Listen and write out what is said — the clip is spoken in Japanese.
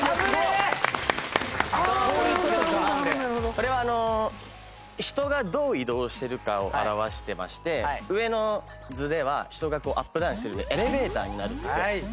これは人がどう移動してるかを表してまして上の図では人がアップダウンしてるのでエレベーターになるんですよ。